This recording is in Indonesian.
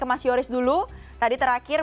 ke mas yoris dulu tadi terakhir